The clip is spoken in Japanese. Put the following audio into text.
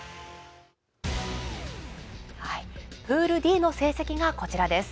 プールＤの成績がこちらです。